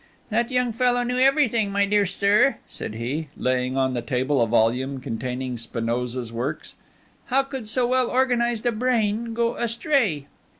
"That young fellow knew everything, my dear sir!" said he, laying on the table a volume containing Spinoza's works. "How could so well organized a brain go astray?"